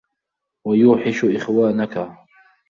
وَيُوحِشُ إخْوَانَك